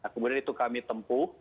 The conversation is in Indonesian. kemudian itu kami tempuh